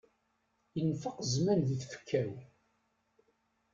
Infeq zzman di tfekka-w.